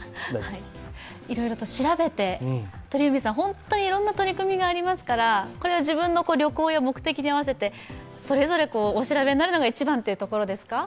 いろいろと調べて、本当にいろいろな取り組みがありますから、自分の旅行や目的に合わせて、それぞれお調べになるのが一番というところですか？